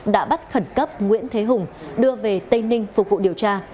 đã bắt khẩn cấp nguyễn thế hùng đưa về tây ninh phục vụ điều tra